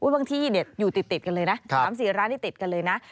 บางที่อยู่ติดกันเลยนะ๓๔ร้านที่ติดกันเลยนะ